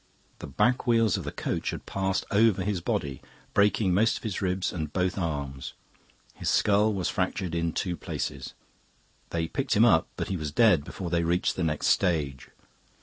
The back wheels of the coach had passed over his body, breaking most of his ribs and both arms. His skull was fractured in two places. They picked him up, but he was dead before they reached the next stage.